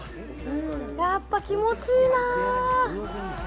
やっぱ気持ちいいな。